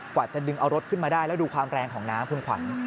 กว่าจะดึงเอารถขึ้นมาได้แล้วดูความแรงของน้ำคุณขวัญ